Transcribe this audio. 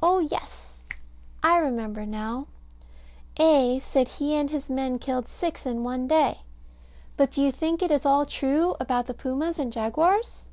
Oh, yes! I remember now A. said he and his men killed six in one day. But do you think it is all true about the pumas and jaguars?